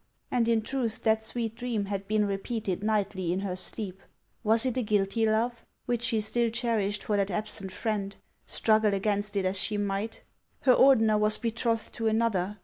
And in truth that sweet dream had been repeated nightly in her sleep. Was it a guilty love which she still cherished for that absent friend, struggle against it as she might ? Her Ordener was be trothed to another